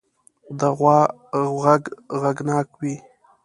د غوا غږ غږناک وي.